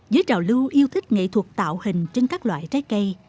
dưới trào lưu yêu thích nghệ thuật tạo hình trên các loại trái cây